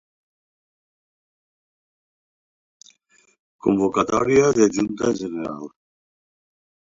Què deixà clar el possible candidat en la seva declaració?